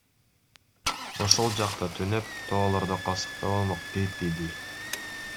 Ошол жакта түнөп, тоолордо калсак да болмок, — дейт Эдил.